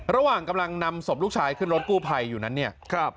ระหว่างกำลังนำศพลูกชายขึ้นรถกู้ภัยอยู่นั้นเนี่ยครับ